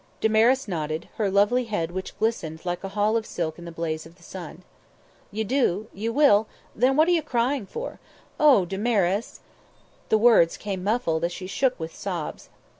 Damaris nodded, her lovely head which glistened like a hall of silk in the blaze of the sun. "You do? You will? Then what are you crying for? Oh! Damaris " The words came muffled as she shook with sobs.